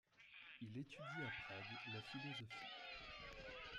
Il étudie à Prague la philosophie.